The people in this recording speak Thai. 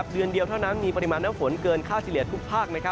เดือนเดียวเท่านั้นมีปริมาณน้ำฝนเกินค่าเฉลี่ยทุกภาค